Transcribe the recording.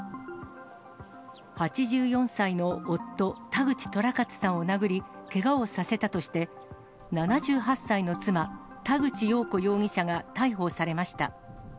８４歳の夫、田口寅勝さんを殴り、けがをさせたとして、７８歳の妻、田口よう子容疑者が逮捕されました。